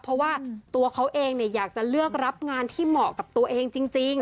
เพราะว่าตัวเขาเองอยากจะเลือกรับงานที่เหมาะกับตัวเองจริง